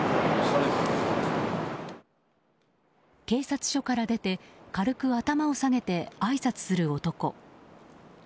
警察署から出て軽くを頭を下げてあいさつする男。